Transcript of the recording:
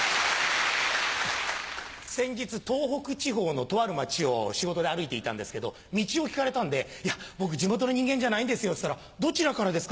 先日東北地方のとある町を仕事で歩いていたんですけど道を聞かれたんで「いや僕地元の人間じゃないんですよ」って言ったら「どちらからですか？」